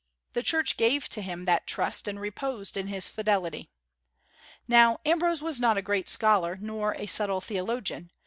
The Church gave to him that trust, and reposed in his fidelity. Now Ambrose was not a great scholar, nor a subtle theologian.